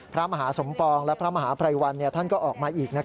พระมหาสมปองและพระมหาภัยวันท่านก็ออกมาอีก